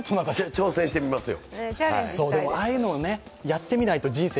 挑戦してみますよ。